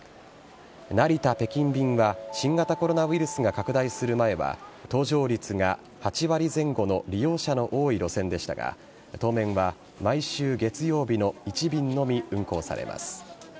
成田・北京便は新型コロナウイルスが拡大する前は、搭乗率が８割前後の利用者の多い路線でしたが、当面は毎週月曜日の１便のみ運航されます。